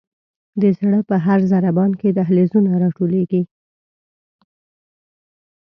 د زړه په هر ضربان کې دهلیزونه را ټولیږي.